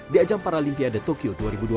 di ajang paralimpiade tokyo dua ribu dua puluh